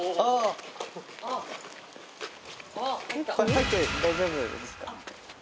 入って大丈夫ですか？